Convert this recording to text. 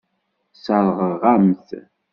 Sseṛɣeɣ-am-t.